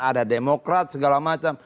ada demokrat segala macam